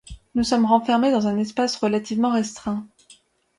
Nous sommes renfermés dans un espace relativement restreint.